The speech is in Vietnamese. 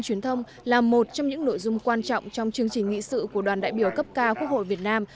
truyền thông là một trong những nội dung quan trọng trong chương trình nghị sự của đoàn đại biểu cấp cao quốc hội việt nam